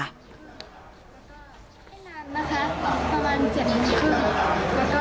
ไม่นานนะคะประมาณเจ็บหรือครึ่ง